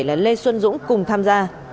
là lê xuân dũng cùng tham gia